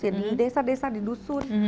di desa desa di dusun